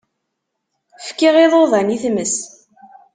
Fkiɣ iḍudan i tmes.